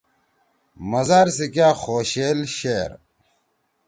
مزار سی کیا خوشیل شعر